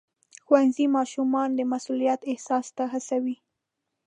ښوونځی ماشومان د مسؤلیت احساس ته هڅوي.